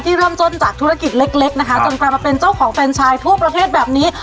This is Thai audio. เริ่มต้นจากธุรกิจเล็กเล็กนะคะจนกลายมาเป็นเจ้าของแฟนชายทั่วประเทศแบบนี้